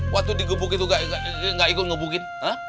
waktu digebuk itu nggak ikut ngebukin